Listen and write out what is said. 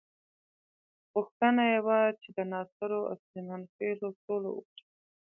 غوښتنه یې وه چې د ناصرو او سلیمان خېلو سوله وکړي.